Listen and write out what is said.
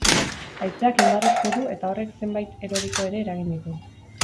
Haizeak indarrez jo du eta horrek zenbait eroriko ere eragin ditu.